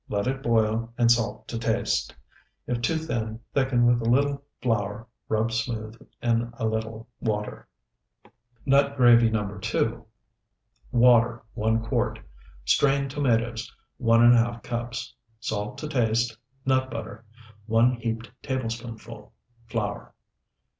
Let it boil, and salt to taste. If too thin, thicken with a little flour rubbed smooth in a little water. NUT GRAVY NO. 2 Water, 1 quart. Strained tomatoes, 1½ cups. Salt to taste. Nut butter, 1 heaped tablespoonful. Flour.